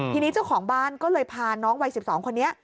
ทีนี้เจ้าของบ้านก็เลยพาน้องวัย๑๒คนนี้